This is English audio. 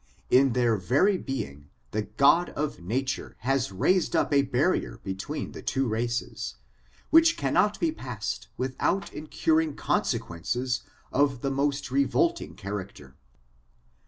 In their very being the God of nature has raised up a barrier between the two races, which cannot be passed with out incurring consequences of the most revolting character.